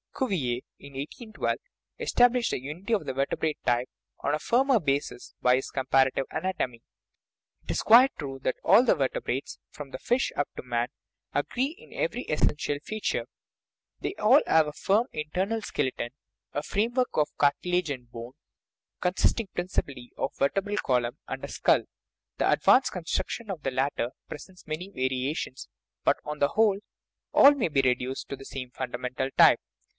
Cuvier (1812) established the unity of the vertebrate type on a firmer basis by his comparative anatomy. It is quite true that all the vertebrates, from the fish up to man, agree in every essential feature; they all have a firm inter 27 THE RIDDLE OF THE UNIVERSE nal skeleton, a framework of cartilage and bone, con sisting principally of a vertebral column and a skull ; the advanced construction of the latter presents many variations, but, on the whole, all may be reduced to the same fundamental type.